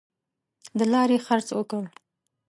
د لاري خرڅ ورکړ.